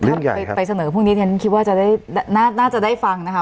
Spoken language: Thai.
เรื่องใหญ่ครับไปเสนอพรุ่งนี้เนี้ยคิดว่าจะได้น่าจะได้ฟังนะคะ